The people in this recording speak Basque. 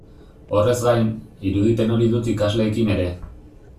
Horrez gain, irudipen hori dut ikasleekin ere.